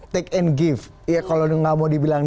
take and give kalau tidak mau dibilang